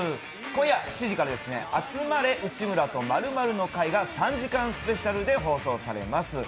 今夜７時から「集まれ！内村と○○の会」が３時間スペシャルで放送されます。